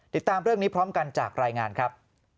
ติดตามเรื่องนี้พร้อมกันจากรายงานครับ